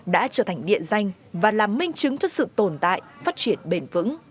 đã trở thành địa danh và làm minh chứng cho sự tồn tại phát triển bền vững